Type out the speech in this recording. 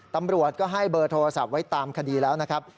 ตำรวจก็ให้เบอร์โทรศัพท์ไว้ตามคดีแล้วนะครับ